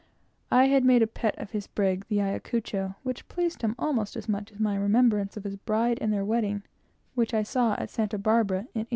I had made a pet of his brig, the Ayacucho, which pleased him almost as much as my remembrance of his bride and their wedding, which I saw at Santa Barbara in 1836.